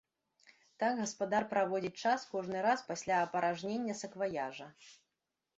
Так гаспадар праводзіць час кожны раз пасля апаражнення сакваяжа.